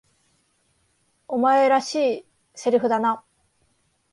お前らしい台詞だな。